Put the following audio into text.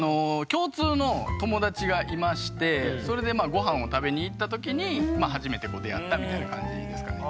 共通の友達がいましてそれでごはんを食べに行った時に初めて出会ったみたいな感じですかね。